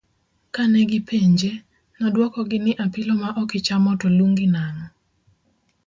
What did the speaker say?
Kane gi penje, noduoko gi ni apilo ma okichamo to lungi nang'o?